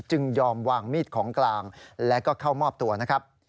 ยอมวางมีดของกลางและก็เข้ามอบตัวนะครับ